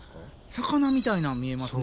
魚みたいなん見えますね。